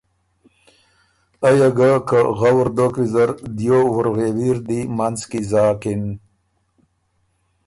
ایه ګه که غؤر دوک ویزر، دیو وُرغېوي ر دی منځ کی زاکِن۔